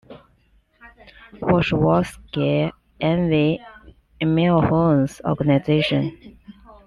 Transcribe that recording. Warshawski envy Millhone's organization.